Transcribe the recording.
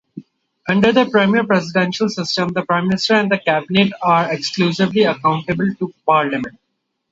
Under the premier-presidential system, the prime minister and cabinet are exclusively accountable to parliament.